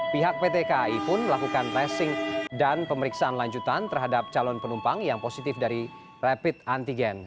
pihak pt kai pun melakukan tracing dan pemeriksaan lanjutan terhadap calon penumpang yang positif dari rapid antigen